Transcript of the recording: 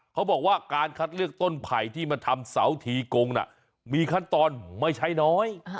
เขาบอกว่าการคัดเลือกต้นไผ่ที่มาทำเสาทีกงน่ะมีขั้นตอนไม่ใช่น้อย